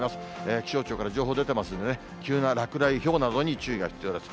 気象庁から情報出てますんでね、急な落雷、ひょうなどに注意が必要です。